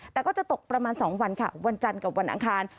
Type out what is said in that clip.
แต่ก็จะตกประมาณ๒วันค่ะวันจันทร์กับวันอังคาร